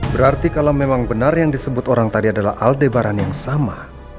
berarti kalau memang benar yang disebut orang tadi adalah aldebaran yang sama